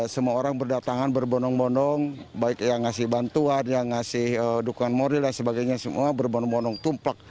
semua orang berdatangan berbonong bonong baik yang ngasih bantuan yang ngasih dukungan moral dan sebagainya semua berbonong bonong tumpak